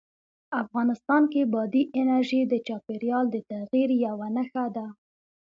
افغانستان کې بادي انرژي د چاپېریال د تغیر یوه نښه ده.